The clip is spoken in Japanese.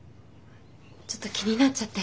ちょっと気になっちゃって。